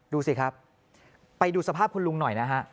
ดูสิครับไปดูสภาพคุณลุงหน่อยนะฮะ